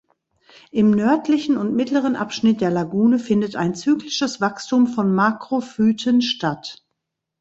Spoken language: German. Im nördlichen und mittleren Abschnitt der Lagune findet ein zyklisches Wachstum von Makrophyten statt.